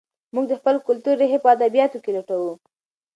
موږ د خپل کلتور ریښې په ادبیاتو کې لټوو.